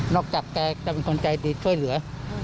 จากแกจะเป็นคนใจดีช่วยเหลือ